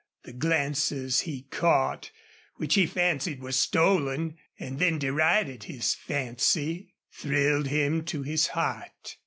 The glances he caught, which he fancied were stolen and then derided his fancy thrilled him to his heart.